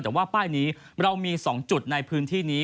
แต่ว่าป้ายนี้เรามี๒จุดในพื้นที่นี้